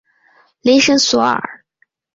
雷神索尔。